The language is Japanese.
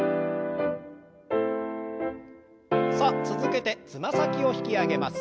さあ続けてつま先を引き上げます。